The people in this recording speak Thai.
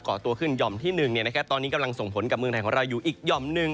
่อตัวขึ้นห่อมที่๑ตอนนี้กำลังส่งผลกับเมืองไทยของเราอยู่อีกหย่อมหนึ่ง